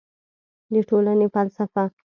د ټولنې فلسفه